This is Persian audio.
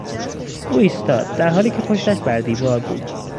او ایستاد در حالی که پشتش بر دیوار بود.